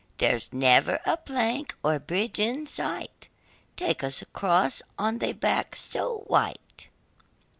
There's never a plank, or bridge in sight, Take us across on thy back so white.